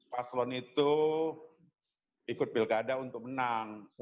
paslon itu ikut pilkada untuk menang